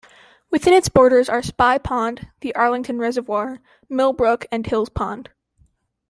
Within its borders are Spy Pond, the Arlington Reservoir, Mill Brook, and Hills Pond.